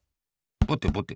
ぼてぼて。